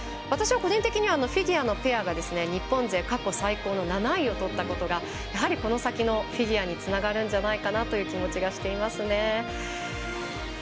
私は個人的にフィギュアのペアが日本勢過去最高の７位をとったことがやはりこの先のフィギュアにつながるんじゃないかなという気がしています。